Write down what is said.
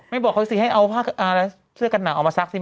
บอกเขาสิให้เอาผ้าเสื้อกันหนาวออกมาซักซิม